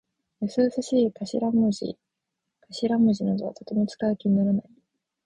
よそよそしい頭文字かしらもじなどはとても使う気にならない。